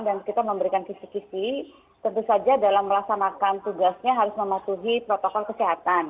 dan kita memberikan kisih kisih tentu saja dalam melaksanakan tugasnya harus mematuhi protokol kesehatan